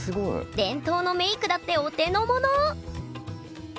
伝統のメークだってお手のもの！